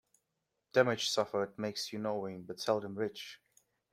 Damage suffered makes you knowing, but seldom rich.